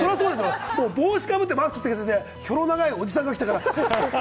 帽子かぶってマスクして、ヒョロ長いおじさんが来たから、えっ！